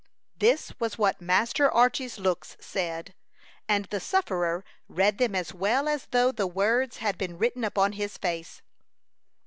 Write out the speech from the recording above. This was what Master Archy's looks said, and the sufferer read them as well as though the words had been written upon his face.